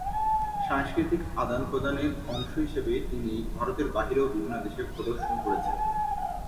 সাংস্কৃতিক আদান প্রদানের অংশ হিসাবে তিনি ভারতের বাইরেও বিভিন্ন দেশে প্রদর্শন করেছেন।